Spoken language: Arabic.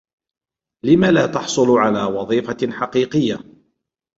لم لا تحصل على وظيفة حقيقية؟